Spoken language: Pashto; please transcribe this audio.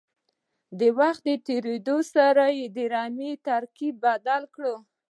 وخت تېرېدو سره یې د رمې ترکیب بدل کړ.